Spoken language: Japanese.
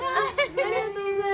ありがとうございます。